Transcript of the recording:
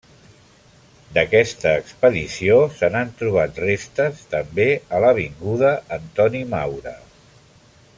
D'aquesta expedició, se n'han trobat restes també a l'avinguda Antoni Maura.